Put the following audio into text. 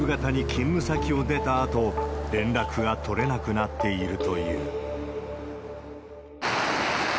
女性は火曜日の夕方に勤務先を出たあと、連絡が取れなくなっているという。